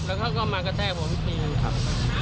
แล้วเขาก็มากระแทกผมอีกทีครับ